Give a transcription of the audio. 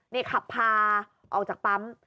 นี่ขับพาออกจากปั๊ม